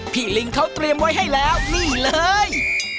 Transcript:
ลิงเขาเตรียมไว้ให้แล้วนี่เลย